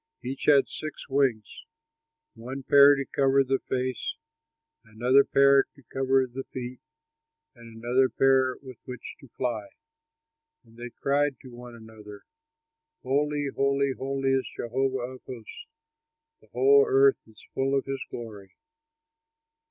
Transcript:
Each had six wings, one pair to cover the face, another pair to cover the feet, and another pair with which to fly. And they cried to one another: "Holy, holy, holy, is Jehovah of hosts, The whole earth is full of his glory."